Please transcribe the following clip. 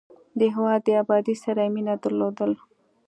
د هېواد د ابادۍ سره یې مینه درلودل.